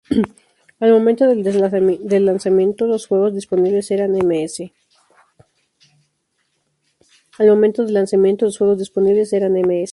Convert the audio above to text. Al momento del lanzamiento, los juegos disponibles eran "Ms.